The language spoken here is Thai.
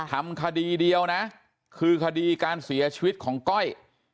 ทำคดีเดียวนะคือคดีการเสียชีวิตของก้อย